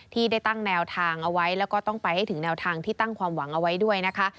ที่ได้ตั้งแนวทางเอาไว้แล้วก็ต้องไปให้ถึงแนวทางที่ตั้งความหวังเอาไว้ด้วยนะคะ